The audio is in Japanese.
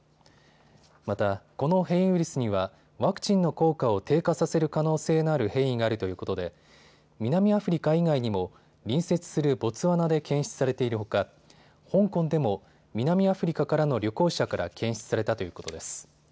また、この変異ウイルスにはワクチンの効果を低下させる可能性のある変異があるということで南アフリカ以外にも隣接するボツワナで検出されているほか香港でも南アフリカからの旅行者から検出されたということです。